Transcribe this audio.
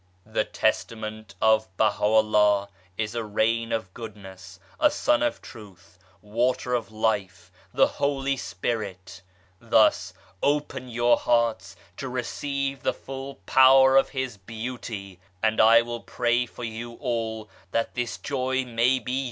The Testament of Baha'u'llah is a Rain of Goodness, a Sun of Truth, Water of Life, the Holy Spirit. Thus, open your hearts to receive the full power of His Beauty, and I will pray for you all that this joy may be yours.